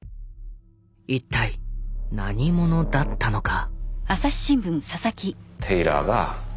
一体何者だったのか？